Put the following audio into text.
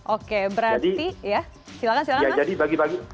oke berarti ya silakan silakan